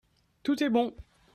Tout est bon.